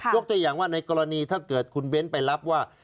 ตัวอย่างว่าในกรณีถ้าเกิดคุณเบ้นไปรับว่า